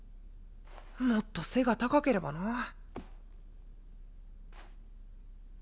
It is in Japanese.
もっと背が高ければな。